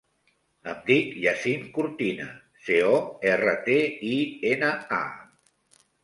Em dic Yassin Cortina: ce, o, erra, te, i, ena, a.